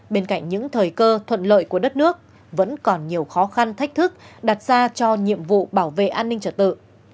bên cạnh những thời cơ thuận lợi của đất nước vẫn còn nhiều khó khăn thách thức đặt ra cho nhiệm vụ bảo vệ an ninh trật tự